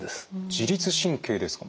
自律神経ですか。